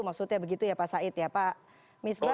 maksudnya begitu ya pak said ya pak misbah